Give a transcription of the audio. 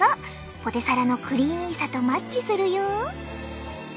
ポテサラのクリーミーさとマッチするよ。